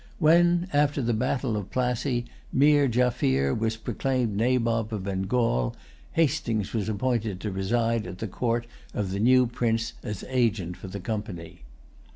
When, after the battle of Plassey, Meer Jaffier was proclaimed Nabob of Bengal, Hastings was appointed to reside at the court of the new prince as agent for the Company.